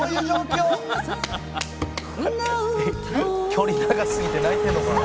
「距離長すぎて泣いてんのかな」